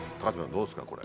どうですかこれ。